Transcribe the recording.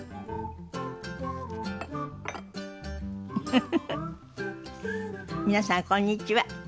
フフフフ皆さんこんにちは。